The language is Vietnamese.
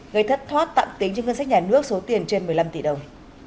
gây thất thoát tạm tính cho ngân sách nhà nước số tiền trên một mươi năm tỷ đồng